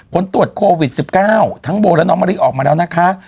ผลตรวจโควิด๑๙ทั้งโบและน้องมะลิออกมาแล้วนะคะ